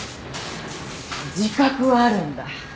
自覚はあるんだ。